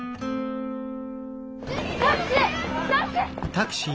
タクシー！